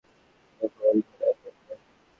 দেখো ওর ঘরে আছে কি না।